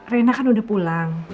rena kan udah pulang